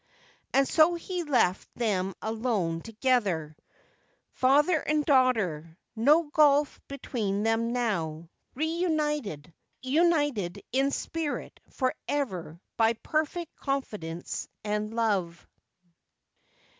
And so he left them alone together, father and daughter, no gulf between them now, reunited, united in spirit for ever by perfect confidence and love.